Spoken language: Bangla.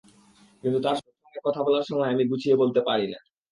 কিন্তু তার সঙ্গে কথা বলার সময় আমি গুছিয়ে বলতে পারি না।